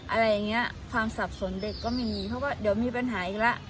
อะไรแบบนี้ความสัดสนเด็กก็ไม่มีเพราะมีปัญหาอีกค่ะ